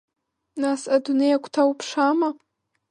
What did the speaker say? Нас адунеи агәҭа уԥшаама?